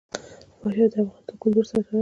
فاریاب د افغان کلتور سره تړاو لري.